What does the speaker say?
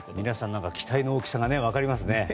皆さん期待の大きさが分かりますね。